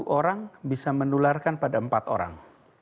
satu orang bisa menularkan pada empat orang